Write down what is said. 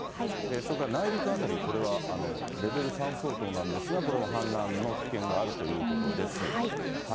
それから内陸辺り、これはレベル３相当なんですが、これも氾濫のそういうことですね。